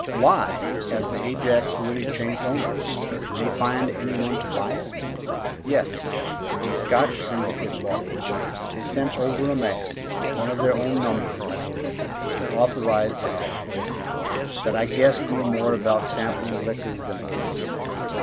"Why, has the Ajax really changed owners? Did they find any one to buy it?" "Yes, a Scotch syndicate bought it. They sent over a man one of their own number, I believe, and authorized to act for them that I guess knew more about sampling liquors than ores.